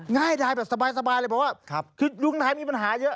ง่ายดายสบายเลยบอกว่ายุงลายมีปัญหาเยอะ